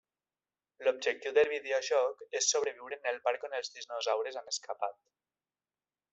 L'objectiu del videojoc és sobreviure en el parc on els dinosaures han escapat.